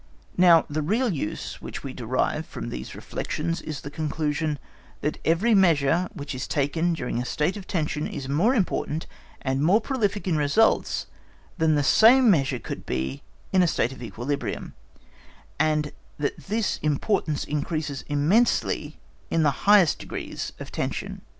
Now the real use which we derive from these reflections is the conclusion that every measure which is taken during a state of tension is more important and more prolific in results than the same measure could be in a state of equilibrium, and that this importance increases immensely in the highest degrees of tension.